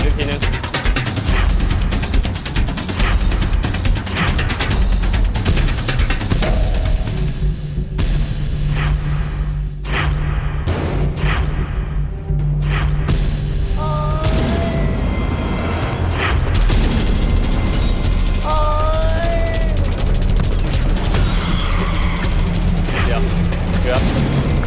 สะเล็กอีกทีหนึ่ง